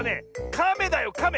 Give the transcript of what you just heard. カメだよカメ！